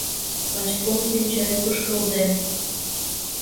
Лач кум пӱнчет кушкылден.